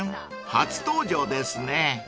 初登場ですね］